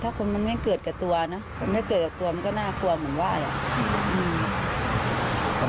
ถ้าคนมันไม่เกิดกับตัวนะถ้าเกิดกับตัวมันก็น่ากลัวเหมือนไหว้อ่ะอืม